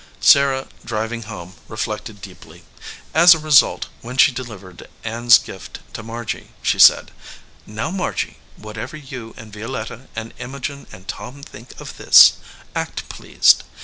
Sarah, driving home, reflected deeply. As a re sult, when she delivered Ann s gift to Margy, she said, "Now, Margy, whatever you and Violetta and Imogen and Tom think of this, act pleased.